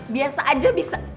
biasa aja bisa